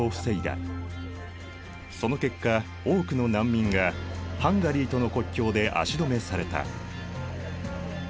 その結果多くの難民がハンガリーとの国境で足止めされた。